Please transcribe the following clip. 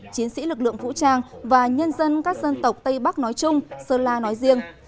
chiến sĩ lực lượng vũ trang và nhân dân các dân tộc tây bắc nói chung sơn la nói riêng